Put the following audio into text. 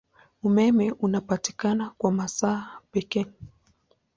Umeme unapatikana kwa masaa pekee.